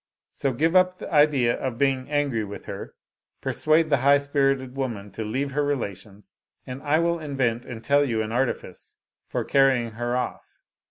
So give up the idea of being angry with her, persuade the high spirited woman to leave her relations, and I will invent and tell you an artifice for carrying her off."